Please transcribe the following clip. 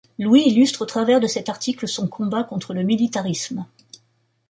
Louis illustre au travers de cet article son combat contre le militarisme.